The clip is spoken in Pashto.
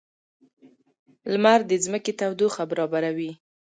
• لمر د ځمکې تودوخه برابروي.